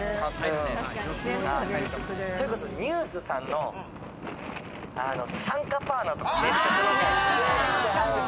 それこそＮＥＷＳさんの『チャンカパーナ』とか。